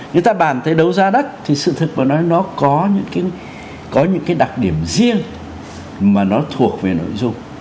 người ta bàn tới đấu giá đất thì sự thực mà nói nó có những cái đặc điểm riêng mà nó thuộc về nội dung